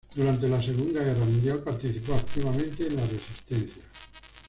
Durante la Segunda Guerra Mundial participó activamente en la Resistencia.